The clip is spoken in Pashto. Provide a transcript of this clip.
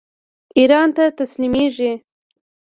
ایران ته تسلیمیږي.